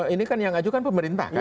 ini kan yang ajukan pemerintah kan